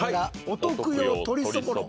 お徳用鶏そぼろ。